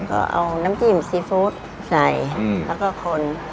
ก็เอาน้ำจิ้มซีฟู้ดใส่แล้วก็คน